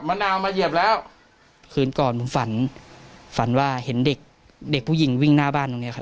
มะนาวมาเหยียบแล้วคืนก่อนผมฝันฝันว่าเห็นเด็กเด็กผู้หญิงวิ่งหน้าบ้านตรงเนี้ยครับ